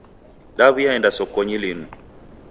Daw'iaenda sokonyi linu.